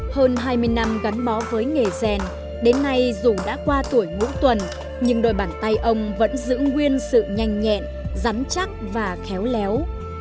hơn hai mươi năm gắn bó với nghề rèn đến nay dù đã qua tuổi ngũ tuần nhưng đôi bàn tay ông vẫn giữ nguyên sự nhanh nhẹn rắn chắc và khéo léo